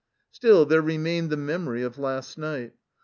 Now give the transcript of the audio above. Still, there remained the memory of last night.